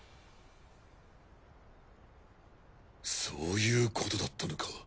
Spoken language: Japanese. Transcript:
そういうことだったのか。